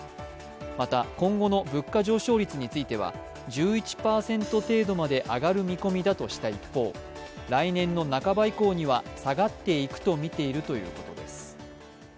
また、今後の物価上昇率については１１％程度まで上がる見込みだとした一方、来年の半ば以降には下がっていくとみているということです。